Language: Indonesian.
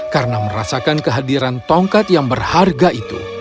karena merasakan kehadiran tongkat yang berharga itu